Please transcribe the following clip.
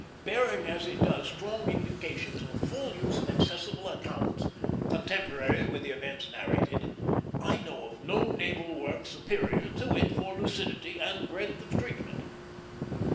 Bearing, as it does, strong indications of a full use of accessible accounts, contemporary with the events narrated, I know no naval work superior to it for lucidity and breadth of treatment.